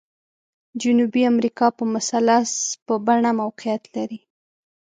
جنوبي امریکا په مثلث په بڼه موقعیت لري.